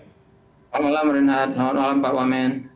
selamat malam renhat selamat malam pak wamen